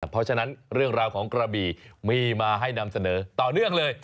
เพราะฉะนั้นเรื่องราวของกระบี่มีมาให้นำเสนอต่อเนื่องเลย